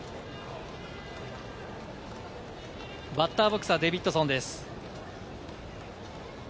バッターボックスはデビッドソンです。